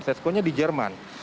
seskonya di jerman